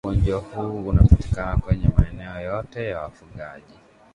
Ugonjwa huu hupatikana maeneo yote ya wafugaji